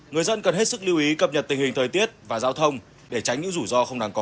người dân cần hết sức lưu ý cập nhật tình hình thời tiết và giao thông để tránh những rủi ro không đáng có